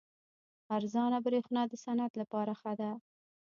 ارزانه بریښنا د صنعت لپاره ښه ده.